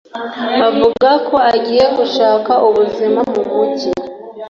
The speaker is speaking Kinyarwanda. avuga ko agiye gushaka ubuzima mu mujyi